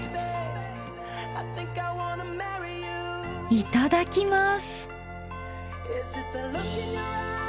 いただきます。